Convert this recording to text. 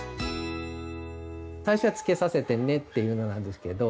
最初は「つけさせてね」っていうのなんですけど。